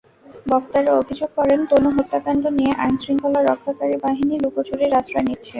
বক্তারা অভিযোগ করেন, তনু হত্যাকাণ্ড নিয়ে আইনশৃঙ্খলা রক্ষাকারী বাহিনী লুকোচুরির আশ্রয় নিচ্ছে।